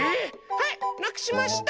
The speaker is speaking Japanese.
⁉はいなくしました。